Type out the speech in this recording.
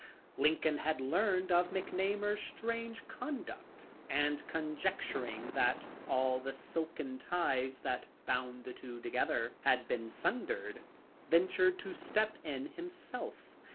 Lincoln had learned of McNamar's strange conduct, and conjecturing that all the silken ties that bound the two together had been sundered, ventured to step in himself.